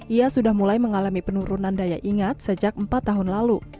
ia sudah mulai mengalami penurunan daya ingat sejak empat tahun lalu